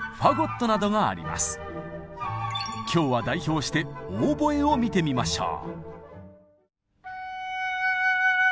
今日は代表してオーボエを見てみましょう。